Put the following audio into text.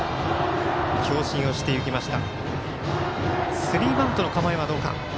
強振をしていきました。